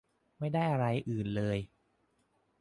ไม่ได้อะไรอื่นเลย